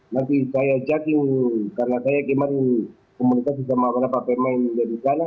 nanti saya ajakin karena saya kemarin komunikasi sama beberapa pemain dari sana